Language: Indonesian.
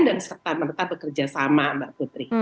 dan serta merta bekerja sama mbak putri